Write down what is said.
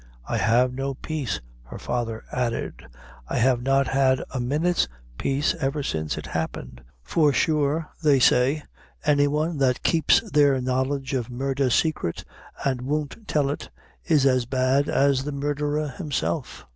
"I have no peace," her father added; "I have not had a minute's peace ever since it happened; for sure, they say, any one that keeps their knowledge of murdher saicret and won't tell it, is as bad as the murdherer himself.